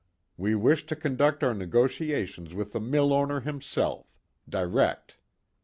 We wish to conduct our negotiations with the mill owner himself, direct.